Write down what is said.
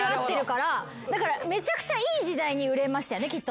だからめちゃくちゃいい時代に売れましたよねきっと。